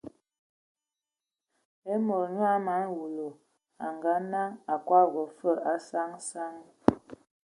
E mɔn nyɔ a mana wulu, a ngaa-naŋ, a kɔbɔgɔ fɔɔ fəg a saŋ saŋ saŋ.